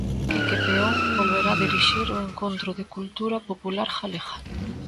Quique Peón volverá dirixir o Encontro de Cultura Popular Galega.